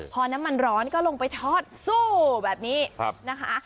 พอน้ำมันร้อนก็ลงไปทอดสู้แบบนี้นะคะ